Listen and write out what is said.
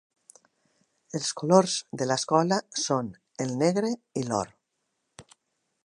Els colors de l'escola són el negre i l'or.